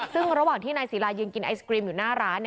ซึ่งระหว่างที่นายศิลายืนกินไอศกรีมอยู่หน้าร้าน